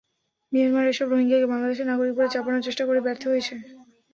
Myanmar এসব রোহিঙ্গাকে বাংলাদেশের নাগরিক বলে চাপানোর চেষ্টা করে ব্যর্থ হয়েছে।